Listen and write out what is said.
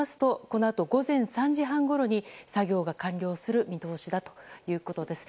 このあと午前３時半ごろに作業が完了する見通しだということです。